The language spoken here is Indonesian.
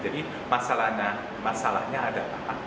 jadi masalahnya ada